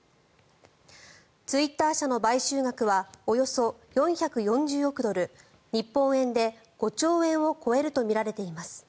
ツイッター社の買収額はおよそ４４０億ドル日本円で５兆円を超えるとみられています。